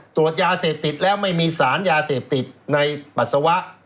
ตรวจยาเสพติดแล้วไม่มีสารยาเสพติดในปัสสาวะ